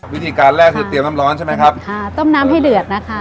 วิธีการแรกคือเตรียมน้ำร้อนใช่ไหมครับค่ะต้มน้ำให้เดือดนะคะ